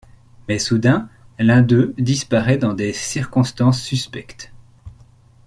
Mais soudain l'un d'eux disparaît dans des circonstances suspectes.